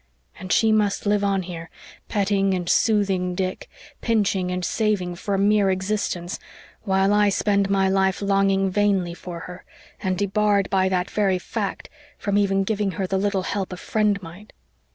And she must live on here petting and soothing Dick, pinching and saving for a mere existence, while I spend my life longing vainly for her, and debarred, by that very fact, from even giving her the little help a friend might.